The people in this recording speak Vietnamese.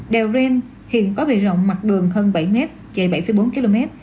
đèo ram hiện có bề rộng mặt đường hơn bảy m chạy bảy bốn km